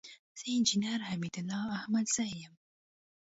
زه انجينر حميدالله احمدزى يم.